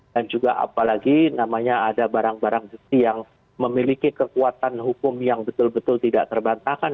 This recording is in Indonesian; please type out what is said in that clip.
dan juga apalagi namanya ada barang barang yang memiliki kekuatan hukum yang betul betul tidak terbantahkan